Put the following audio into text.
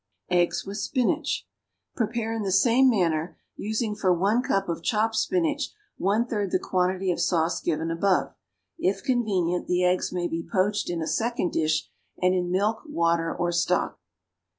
=Eggs with Spinach.= Prepare in the same manner, using for one cup of chopped spinach one third the quantity of sauce given above. If convenient, the eggs may be poached in a second dish, and in milk, water or stock.